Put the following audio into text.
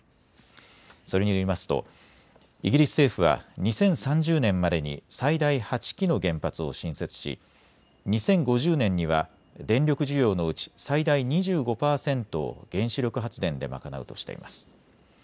それによりますとイギリス政府は２０３０年までに最大８基の原発を新設し２０５０年には電力需要のうち最大２５％を原子力発電で賄うとしています。